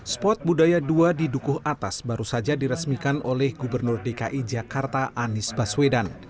spot budaya dua di dukuh atas baru saja diresmikan oleh gubernur dki jakarta anies baswedan